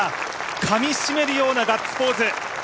かみしめるようなガッツポーズ。